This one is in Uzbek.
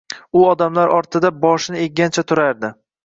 U odamlar ortida boshini eggancha turardi.